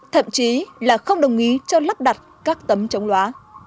thậm chí là không đồng ý cho lắp đặt các tấm chống loá